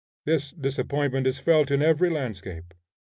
This disappointment is felt in every landscape.